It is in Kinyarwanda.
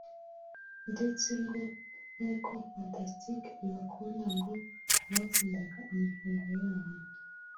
ndetse ngo nkuko Fantastic ibakunda ngo kubakundaga amafunguro yaho